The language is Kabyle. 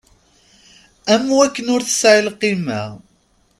Am wakken ur tesɛi lqima.